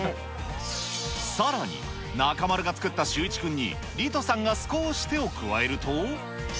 さらに、中丸が作ったシューイチくんにリトさんが少し手を加えると。